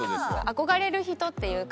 憧れる人っていう感じで。